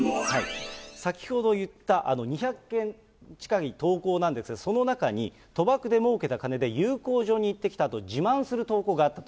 先ほど言った２００件近い投稿なんですが、その中に、賭博でもうけた金で遊興所に行ってきたと自慢する投稿があったと。